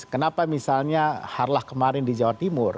kenapa misalnya harlah kemarin di jawa timur